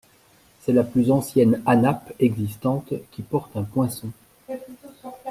C'est la plus ancienne hanap existante qui porte un poinçon.